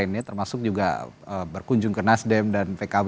termasuk juga berkunjung ke nasdem dan pkb